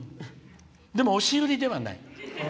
でも、押し売りではない。